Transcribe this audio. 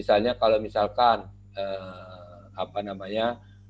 misalnya kalau misalkan apa namanya